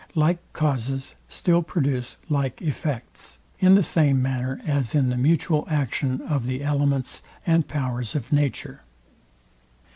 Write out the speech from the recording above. Like causes still produce like effects; in the same manner as in the mutual action of the elements and powers of nature.